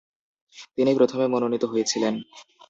তিনি প্রথমে মনোনীত হয়েছিলেন।